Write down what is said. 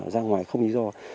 ra ngoài không lý do